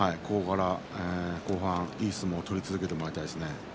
後半、いい相撲を取り続けてほしいですね。